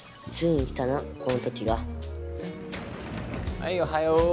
はいおはよう。